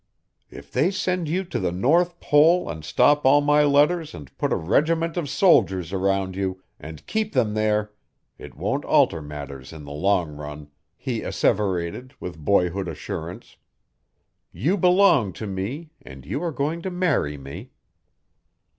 "If they send you to the North Pole and stop all my letters and put a regiment of soldiers around you, and keep them there, it won't alter matters in the long run," he asseverated, with boyhood assurance, "You belong to me and you are going to marry me."